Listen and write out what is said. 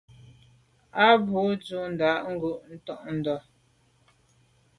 A bwô ndù ndà ghù ntôndà.